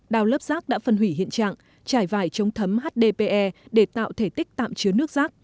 đào lớp rác đã phân hủy hiện trạng trải vải chống thấm hdpe để tạo thể tích tạm chứa nước rác